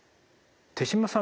豊嶋さん